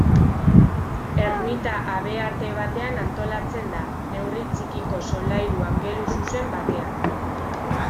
Ermita habearte batean antolatzen da, neurri txikiko solairu angeluzuzen batean.